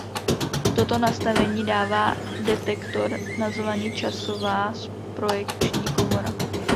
Toto nastavení dává detektor nazvaný časová projekční komora.